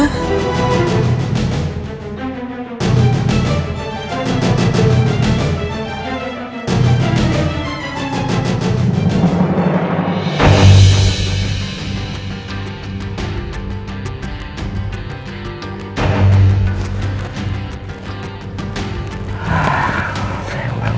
saya malah kehilangan jejaknya ricky